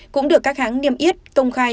cũng được các hãng niêm yết công khai